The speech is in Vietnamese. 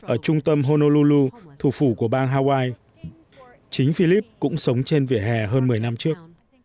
ở trung tâm honoululou thủ phủ của bang hawaii chính philip cũng sống trên vỉa hè hơn một mươi năm trước